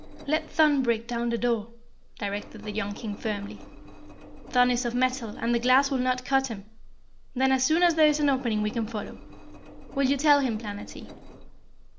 "Let Thun break down the door," directed the young King firmly. "Thun is of metal and the glass will not cut him; then, as soon as there is an opening we can follow. Will you tell him, Planetty?"